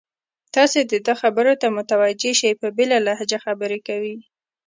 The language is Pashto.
تاسې د ده خبرو ته متوجه شئ، په بېله لهجه خبرې کوي.